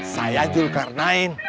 saya jul karnain